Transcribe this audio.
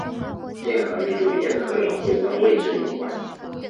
电荷密度也可能会跟位置有关。